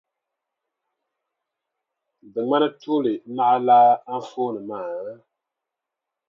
Di ŋmani tuuli naɣilaa anfooni maa?